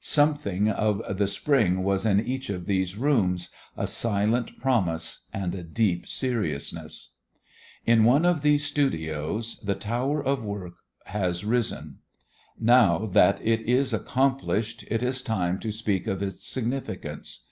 Something of the Spring was in each of these rooms, a silent promise and a deep seriousness. In one of these studios "The Tower of Work" has risen. Now that it is accomplished, it is time to speak of its significance.